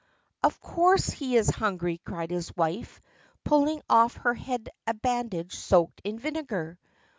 "Of course he is hungry," cried his wife, pulling off her head a bandage soaked in vinegar.